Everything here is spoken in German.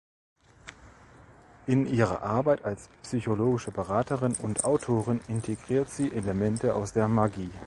In ihre Arbeit als psychologische Beraterin und Autorin integriert sie Elemente aus der Magie.